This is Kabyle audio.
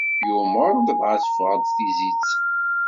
Yumeṛ-d, dɣa teffeɣ-d tizit.